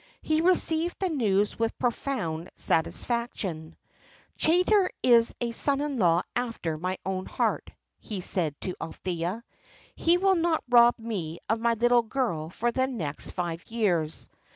He received the news with profound satisfaction. "Chaytor is a son in law after my own heart," he said to Althea. "He will not rob me of my little girl for the next five years.